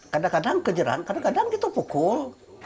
kadang kadang kejerang kadang kadang kita pukul